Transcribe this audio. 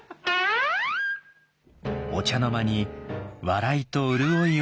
お茶の間に笑いと潤いを届けました。